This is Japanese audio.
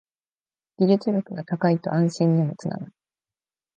技術力が高いと安心にもつながる